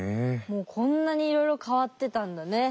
もうこんなにいろいろ変わってたんだね。